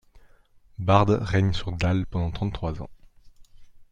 Bard règne sur Dale pendant trente-trois ans.